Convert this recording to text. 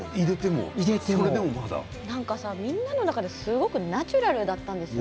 なんかみんなの中ですごくナチュラルだったんです。